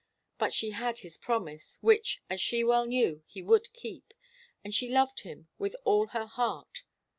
But she had his promise, which, as she well knew, he would keep and she loved him with all her heart.